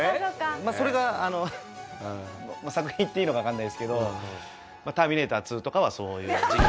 まあそれがあの作品言っていいのかわかんないですけど『ターミネーター２』とかはそういう時期。